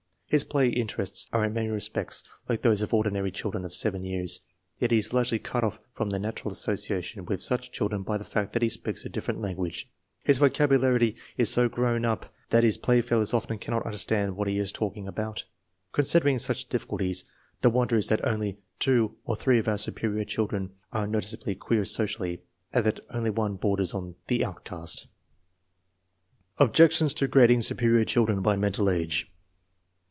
His play interests are in many respects like those of ordinary children of 7 years; yet he is largely cut off from natural association with such children by the fact that he speaks a different lan guage. His vocabulary is so " grown up " that his playfellows often cannot understand what he is talking about. Considering such difficulties, the wonder is that only two or three of our superior children are no ticeably queer socially, and that only one borders on the "outcast." Objections to grading superior children by mental age.